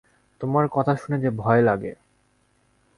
তোমার কথা শুনে যে ভয় লাগে।